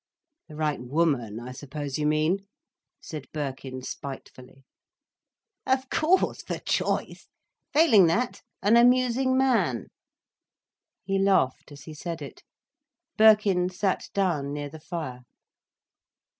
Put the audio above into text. "The right woman, I suppose you mean," said Birkin spitefully. "Of course, for choice. Failing that, an amusing man." He laughed as he said it. Birkin sat down near the fire.